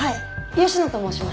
吉野と申します。